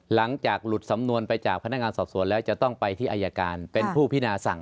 หลังจากหลุดสำนวนไปจากพนักงานสอบสวนแล้วจะต้องไปที่อายการเป็นผู้พินาสั่ง